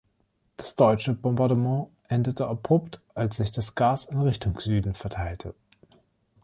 Das deutsche Bombardement endete abrupt, als sich das Gas in Richtung Süden verteilte.